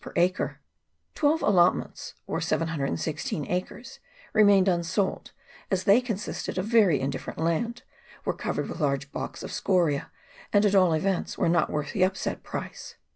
per acre Twelve allotments, or 716 acres, remained unsold, as they consisted of very indifferent land, were covered with large blocks of scorise, and, at all events, were not worth the upset price.